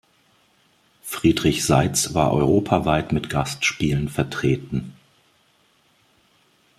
Friedrich Seitz war europaweit mit Gastspielen vertreten.